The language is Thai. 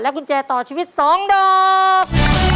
กุญแจต่อชีวิต๒ดอก